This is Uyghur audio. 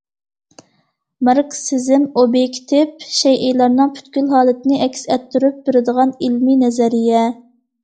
ماركسىزم ئوبيېكتىپ شەيئىلەرنىڭ پۈتكۈل ھالىتىنى ئەكس ئەتتۈرۈپ بېرىدىغان ئىلمىي نەزەرىيە.